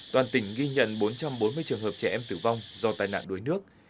toàn tỉnh ghi nhận bốn trăm bốn mươi trường hợp trẻ em tử vong do tai nạn đuối nước